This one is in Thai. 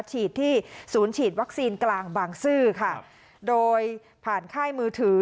ฉีดที่ศูนย์ฉีดวัคซีนกลางบางซื่อค่ะโดยผ่านค่ายมือถือ